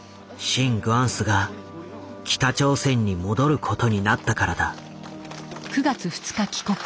シン・グァンスが北朝鮮に戻ることになったからだ。